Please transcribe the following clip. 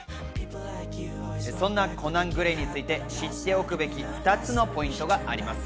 そんなコナン・グレイについて知っておくべき２つのポイントがあります。